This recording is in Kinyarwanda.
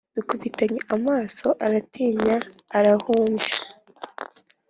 Dukubitanye amaso Aratinya arahumbya.